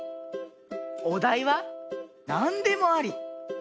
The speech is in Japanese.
おだいはなんでもあり。